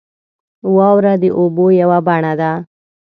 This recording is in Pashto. • واوره د اوبو یوه بڼه ده.